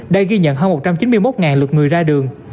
đã ghi nhận hơn một trăm chín mươi một lượt người ra đường